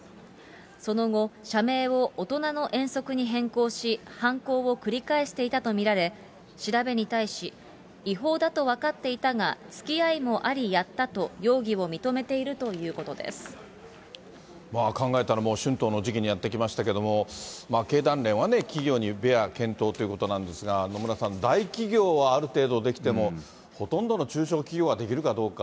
その後、社名をおとなの遠足に変更し、犯行を繰り返していたと見られ、調べに対し、違法だと分かっていたがつきあいもありやったと容疑を認めている考えたらもう、春闘に時期になってきましたけれども、経団連は、企業にベアを検討ということなんですが、野村さん、大企業はある程度できても、ほとんどの中小企業はできるかどうか。